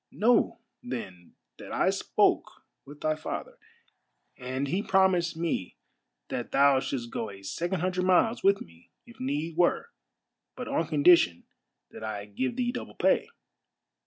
Know, then, that I spoke with thy father, and he promised me that thou shouldst go a second hun dred miles with me if need were, but on condition that I give thee double pay.